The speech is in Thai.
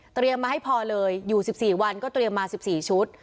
มาให้พอเลยอยู่๑๔วันก็เตรียมมา๑๔ชุด